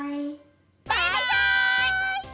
バイバイ！